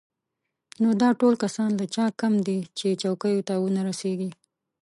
نو دا ټول کسان له چا کم دي چې چوکیو ته ونه رسېږي.